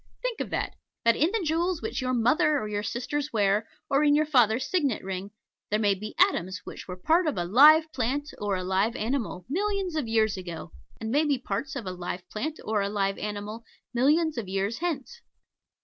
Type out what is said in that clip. Think of that that in the jewels which your mother or your sisters wear, or in your father's signet ring, there may be atoms which were part of a live plant, or a live animal, millions of years ago, and may be parts of a live plant or a live animal millions of years hence.